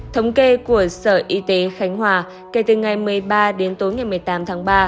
thống kê của sở y tế khánh hòa kể từ ngày một mươi ba đến tối ngày một mươi tám tháng ba